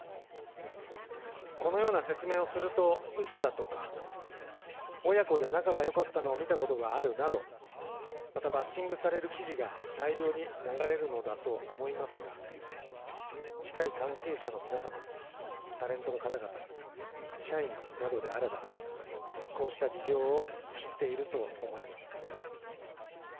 このような説明をすると、うそだとか、親子で仲がよかったのを見たことがあるなど、またバッシングされる記事が大量に流れるのだと思いますが、近い関係者の皆様、タレントの方々、社員などであれば、こうした事情を知っていると思います。